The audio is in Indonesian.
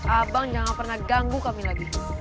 abang jangan pernah ganggu kami lagi